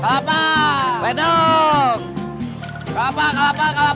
kalau you you you need me